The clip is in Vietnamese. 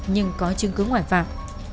nhưng có chứng cứ ngoại phạm